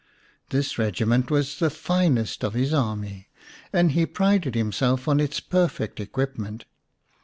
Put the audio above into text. This regiment was the finest of his army, and he prided himself on its perfect equipment.